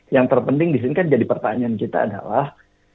yang terpenting di sini kan jadi pertanyaan kita adalah